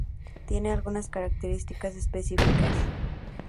Tiene algunas características específicas.